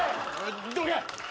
どけ！